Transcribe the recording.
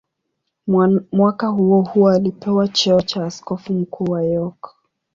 Mwaka huohuo alipewa cheo cha askofu mkuu wa York.